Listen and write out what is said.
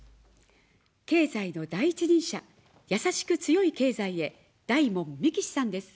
経済の第一人者、やさしく強い経済へ、大門みきしさんです。